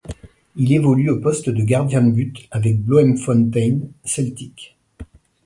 Il évolue au poste de gardien de but avec Bloemfontein Celtic.